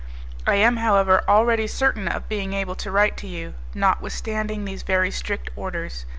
I am, however, already certain of being able to write to you, notwithstanding these very strict orders.